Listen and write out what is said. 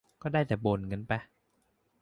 ก็ได้แต่บ่นกันไป